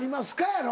やろ？